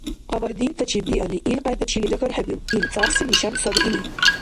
Къабардинтачиб биалли, илкьяйдали чилилра хьархӀебиу, ил цӀахси лишан саби или.